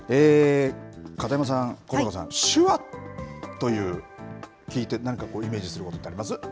片山さん、小山さん、手話と聞いて、なんかイメージすることってあります？